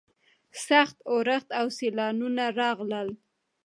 سخت اورښت او سیلاوونه راغلل.